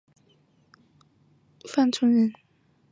山东兖州平阴县东阿镇洪范村人。